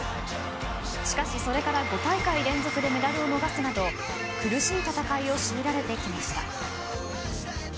しかし、それから５大会連続でメダルを逃すなど苦しい戦いを強いられてきました。